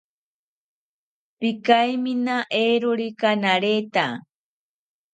Pikaimina eerokika naretya